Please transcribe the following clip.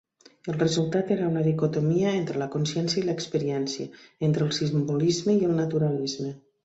El resultat era una dicotomia entre la consciència i l'experiència, entre el simbolisme i el naturalisme.